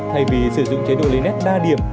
thay vì sử dụng chế độ lên nét đa điểm